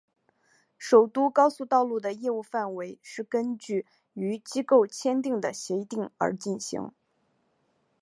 首都高速道路的业务范围是根据与机构签订的协定而进行。